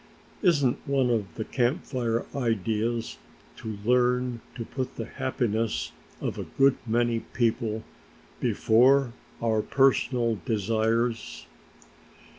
Isn't one of the Camp Fire ideas to learn to put the happiness of a good many people before our own personal desires?"